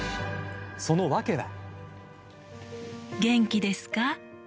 その訳は。